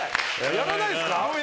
やらないですか？